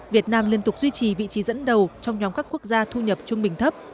việt nam liên tục duy trì vị trí dẫn đầu trong nhóm các quốc gia thu nhập trung bình thấp